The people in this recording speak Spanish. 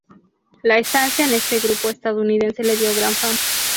La estancia en este grupo estadounidense le dio gran fama.